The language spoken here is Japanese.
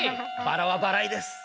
ばらはバラいです。